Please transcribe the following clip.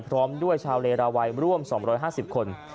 พร้อมด้วยชาวเลราวัยร่วม๒๕๐คน